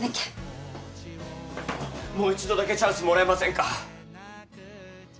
もう一度だけチャンスもらえませんか？